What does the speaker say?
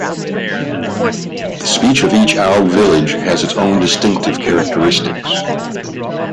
The speech of each Ao village has its own distinctive characteristics.